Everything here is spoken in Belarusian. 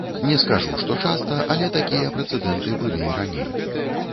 Не скажу, што часта, але такія прэцэдэнты былі і раней.